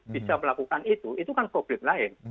bisa melakukan itu itu kan problem lain